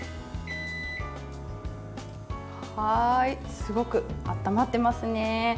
すごくあったまってますね。